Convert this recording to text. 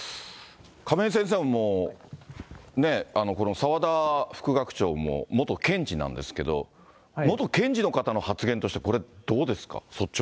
亀井先生も、この澤田副学長も元検事なんですけど、元検事の方の発言としてこれ、どうですか？